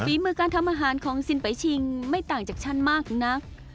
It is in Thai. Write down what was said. มือการทำอาหารของสินไปชิงไม่ต่างจากฉันมากนัก